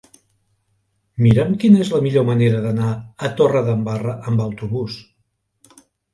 Mira'm quina és la millor manera d'anar a Torredembarra amb autobús.